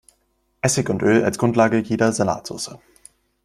Essig und Öl als Grundlage jeder Salatsoße.